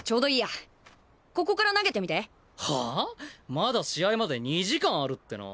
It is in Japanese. まだ試合まで２時間あるっての。